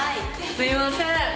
すいません。